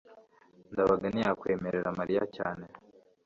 ndabaga ntiyakwemerera mariya cyane